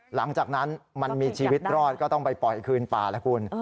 หลังจากนั้นมันมีชีวิตรอดก็ต้องไปปล่อยคืนป่าละคุณ